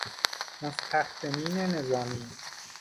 مستخدمین نظامی